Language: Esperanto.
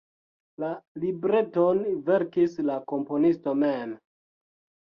La libreton verkis la komponisto mem.